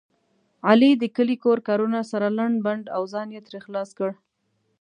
علي د کلي کور کارونه سره لنډ بنډ او ځان یې ترې خلاص کړ.